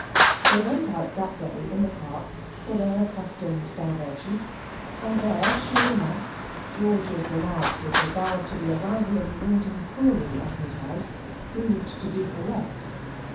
They went out that day in the park for their accustomed diversion, and there, sure enough, George's remark with regard to the arrival of Rawdon Crawley and his wife proved to be correct.